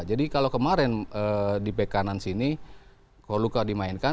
jadi kalau kemarin di back kanan sini kourlouka dimainkan